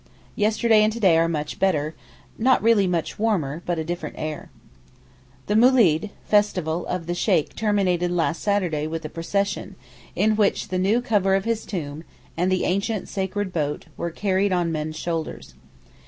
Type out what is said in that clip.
Yesterday and to day are much better, not really much warmer, but a different air. The moolid (festival) of the Sheykh terminated last Saturday with a procession, in which the new cover of his tomb, and the ancient sacred boat, were carried on men's shoulders.